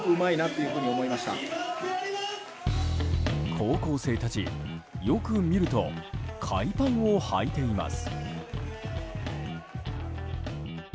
高校生たち、よく見ると海パンをはいています。